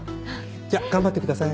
じゃ頑張ってください。